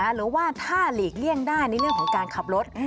หรือว่าถ้าหลีกเลี่ยงได้ในเรื่องของการขับรถ